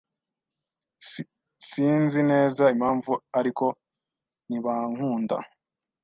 S Sinzi neza impamvu, ariko ntibankunda.